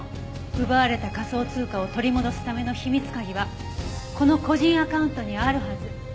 奪われた仮想通貨を取り戻すための秘密鍵はこの個人アカウントにあるはず。